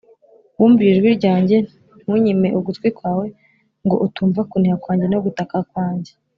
Wumviye ijwi ryanjye, ntunyime ugutwi kwawe, Ngo utumva kuniha kwanjye no gutaka kwanjye.